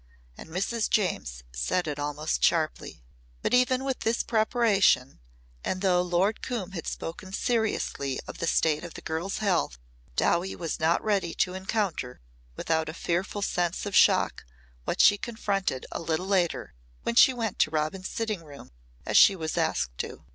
And Mrs. James said it almost sharply. But even with this preparation and though Lord Coombe had spoken seriously of the state of the girl's health, Dowie was not ready to encounter without a fearful sense of shock what she confronted a little later when she went to Robin's sitting room as she was asked to.